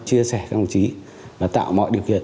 chia sẻ các đồng chí và tạo mọi điều kiện